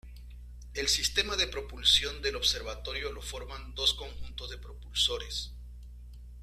El sistema de propulsión del observatorio lo forman dos conjuntos de propulsores.